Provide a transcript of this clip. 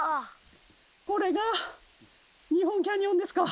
これが日本キャニオンですか！